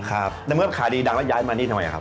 ครับแล้วเมื่อขายดีดังแล้วย้ายมานี่ทำไมครับ